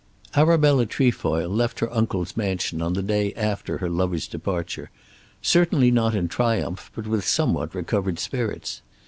Arabella Trefoil left her uncle's mansion on the day after her lover's departure, certainly not in triumph, but with somewhat recovered spirits.